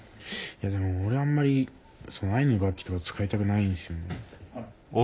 いやでも俺あんまりそのアイヌの楽器とか使いたくないんすよね。